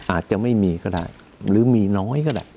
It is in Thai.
อาจจะไม่มีก็ได้หรือมีน้อยก็ได้